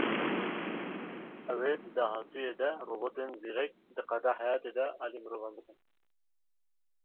Ew ê di dahatûyê de robotên zîrek di qada heyatê de alî mirovan bikin.